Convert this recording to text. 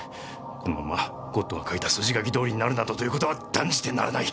このままゴッドが書いた筋書き通りになるなどという事は断じてならない！